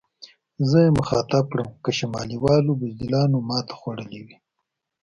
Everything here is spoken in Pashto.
زه یې مخاطب کړم: که شمالي والو بزدلانو ماته خوړلې وي.